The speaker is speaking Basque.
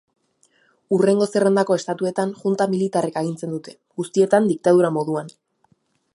Hurrengo zerrendako estatuetan junta militarrek agintzen dute, guztietan diktadura moduan.